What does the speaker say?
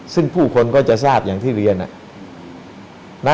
ซึ่งผู้คนก็จะทราบอย่างที่เรียน